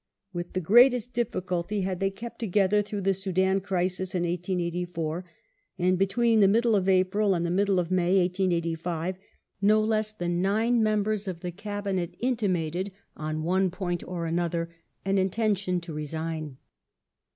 With the gi'eatest difficulty had they kept to gether through the Soudan crisis in 1884, and between the middle of April and the middle of May (1885), no less than nine members of the Cabinet intimated, on one point or another, an intention to resign.